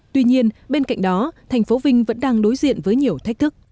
tuy nhiên bên cạnh đó thành phố vinh vẫn đang đối diện với nhiều thách thức